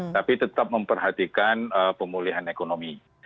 tapi tetap memperhatikan pemulihan ekonomi